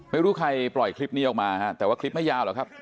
ไม่รู้ใครปล่อยคลิปนี้ออกมาแต่ว่าคลิปไม่ยาวหรอกครับ